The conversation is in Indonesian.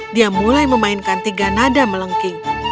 dia mulai memainkan tiga nada melengking